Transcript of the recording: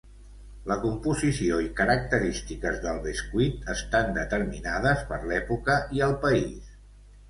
La composició i característiques del bescuit estan determinades per l'època i el país.